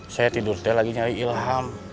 saya tidur saya lagi nyari ilham